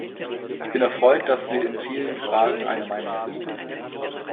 Ich bin erfreut, dass wir in vielen Fragen einer Meinung sind.